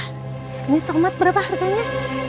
ini tomat berapa harganya